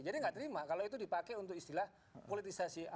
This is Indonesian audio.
jadi nggak terima kalau itu dipakai untuk istilah politisasi agama